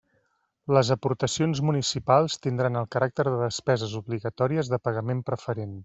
Les aportacions municipals tindran el caràcter de despeses obligatòries de pagament preferent.